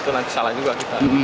itu nanti salah juga kita